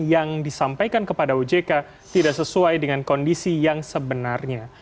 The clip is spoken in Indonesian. yang disampaikan kepada ojk tidak sesuai dengan kondisi yang sebenarnya